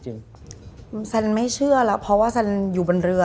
แซนไม่เชื่อแล้วเพราะว่าแซนอยู่บนเรือ